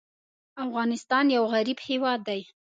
افغانستان یو غریب هېواد دی.